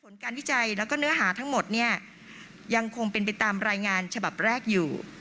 ผลการวิจัยแล้วก็เนื้อหาทั้งหมดเนี่ยยังคงเป็นไปตามรายงานฉบับแรกอยู่